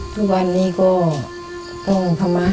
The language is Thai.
ทุกวันนี้ก็ต้องทำอาหารกินเลย